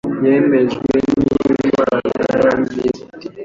yemejwe n inama y abaminisitiri